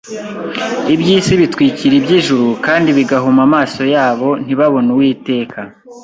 Iby’isi bitwikira iby’ijuru kandi bigahuma amaso yabo ntibabone Uwiteka.